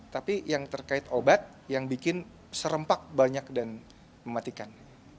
tapi yang terkait obat yang bikin serempak banyak dan mematikan